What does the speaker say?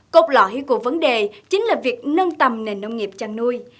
cốt lõi của vấn đề chính là việc nâng tầm nền nông nghiệp chăn nuôi